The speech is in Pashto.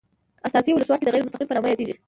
استازي ولسواکي د غیر مستقیمې په نامه یادیږي.